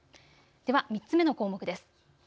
では３つ目の項目です。